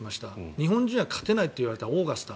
日本人は勝てないといわれたオーガスタ。